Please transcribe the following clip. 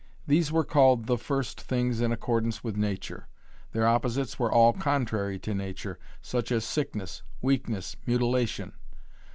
These were called the first things in accordance with nature. Their opposites were all contrary to nature, such as sickness, weakness, mutilation.